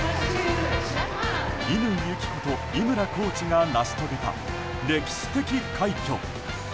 乾友紀子と井村コーチが成し遂げた歴史的快挙。